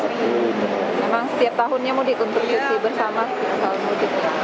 ya masih selalu mau dikontribusi